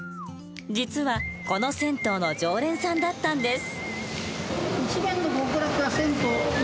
実はこの銭湯の常連さんだったんです。